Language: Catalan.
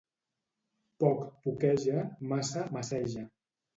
Poc, poqueja; massa, masseja.